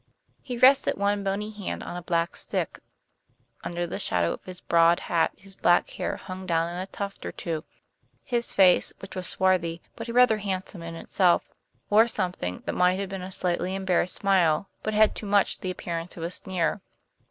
He rested one bony hand on a black stick; under the shadow of his broad hat his black hair hung down in a tuft or two. His face, which was swarthy, but rather handsome in itself, wore something that may have been a slightly embarrassed smile, but had too much the appearance of a sneer.